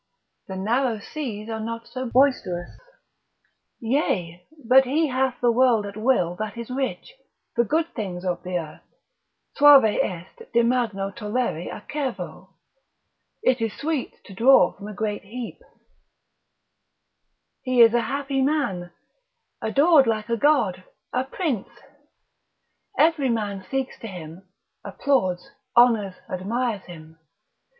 The narrow seas are not so boisterous. Yea, but he hath the world at will that is rich, the good things of the earth: suave est de magno tollere acervo, (it is sweet to draw from a great heap) he is a happy man, adored like a god, a prince, every man seeks to him, applauds, honours, admires him.